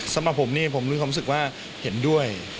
สำหรับผมนี่ผมมีความรู้สึกว่าเห็นด้วย